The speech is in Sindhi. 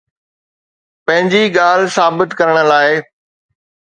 پنهنجي ڳالهه ثابت ڪرڻ لاءِ